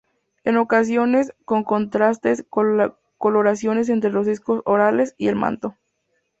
En ocasiones con contrastantes coloraciones entre los discos orales y el manto.